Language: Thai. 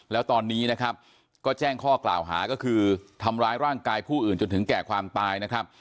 แล้วตอนนี้นะครับก็แจ้งข้อกล่าวหาก็คือทำร้ายร่างกายผู้อื่นจนถึงแก่ความตายนะครับ